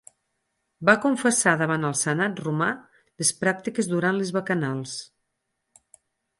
Va confessar davant el senat romà les pràctiques durant les bacanals.